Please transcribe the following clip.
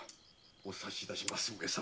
お察しいたします上様。